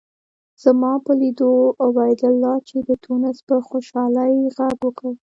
زما په لیدو عبدالله چې د تونس و په خوشالۍ غږ وکړ.